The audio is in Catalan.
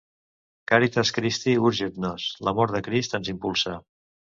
"Caritas Christi Urget Nos": L'amor de Crist ens impulsa.